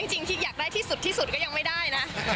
จริงที่อยากได้ที่สุดที่สุดก็ยังไม่ได้นะ